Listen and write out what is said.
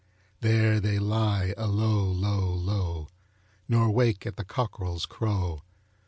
There they lie alow, low, low, Nor wake at the cockrel's crow.